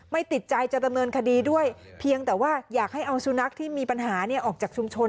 ติดใจจะดำเนินคดีด้วยเพียงแต่ว่าอยากให้เอาสุนัขที่มีปัญหาออกจากชุมชน